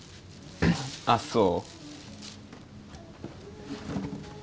あっそう？